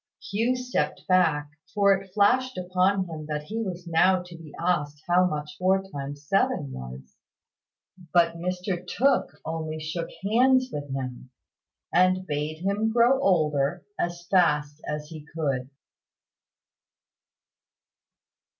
Hugh stepped back, for it flashed upon him that he was now to be asked how much four times seven was. But Mr Tooke only shook hands with him, and bade him grow older as fast as he could.